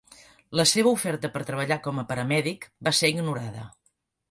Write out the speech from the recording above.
La seva oferta per treballar com a paramèdic va ser ignorada.